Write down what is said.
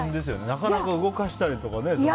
なかなか動かしたりとかね。